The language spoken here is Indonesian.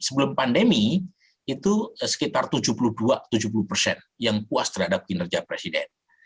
sebelum pandemi itu sekitar tujuh puluh dua tujuh puluh persen yang puas terhadap kinerja presiden